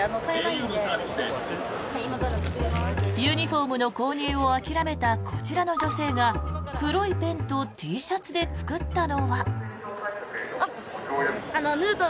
ユニホームの購入を諦めたこちらの女性が黒いペンとＴシャツで作ったのは。